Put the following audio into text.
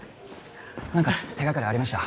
何か手掛かりありました？